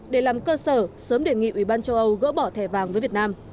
để làm cơ sở sớm đề nghị ủy ban châu âu gỡ bỏ thẻ vàng với việt nam